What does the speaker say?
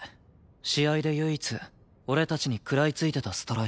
試合で唯一俺たちに喰らいついてたストライカー。